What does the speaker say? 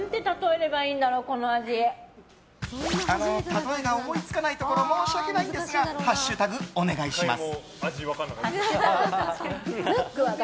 例えが思いつかないところ申し訳ないのですがハッシュタグお願いします。